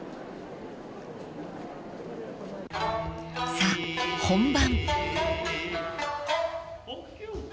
［さあ本番］